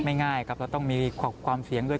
ง่ายครับเราต้องมีความเสี่ยงด้วย